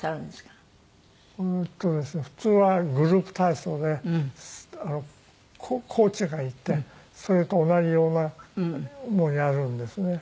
普通はグループ体操でコーチがいてそれと同じようなやるんですね。